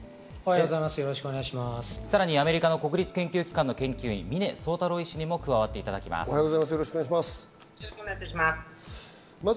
さらにアメリカの国立研究機関の研究員、峰宗太郎医師にも加わっていただきます。